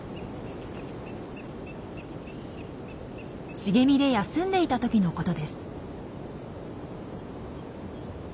茂みで休んでいた時のことです。